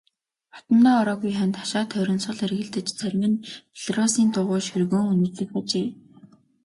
Хотондоо ороогүй хоньд хашаа тойрон сул эргэлдэж зарим нь белоруссын дугуй шөргөөн үнэрлэх ажээ.